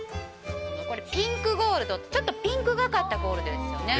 ピンクゴールド、ちょっとピンクがかったゴールドですよね。